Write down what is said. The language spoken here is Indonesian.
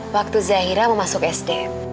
waktu zaira mau masuk sd